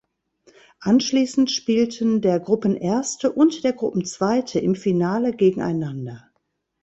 Anschließend spielten der Gruppenerste und der Gruppenzweite im Finale gegeneinander.